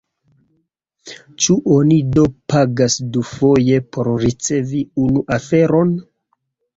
Ĉu oni do pagas dufoje por ricevi unu aferon?